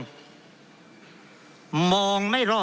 เพราะเรามี๕ชั่วโมงครับท่านนึง